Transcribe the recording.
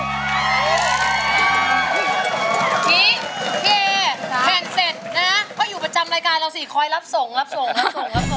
พี่เคแผ่นเสร็จนะเพราะอยู่ประจำรายการเราสิคอยรับส่งรับส่งรับส่ง